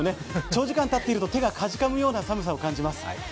長時間たつと手がかじかむような寒さを感じます。